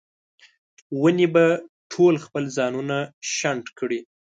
ونې به ټوله خپل ځانونه شنډ کړي